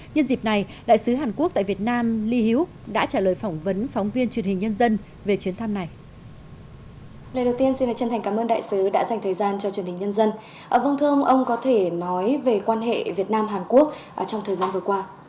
nhân dịp này đại sứ hàn quốc tại việt nam ly đã trả lời phỏng vấn phóng viên truyền hình nhân dân về chuyến thăm này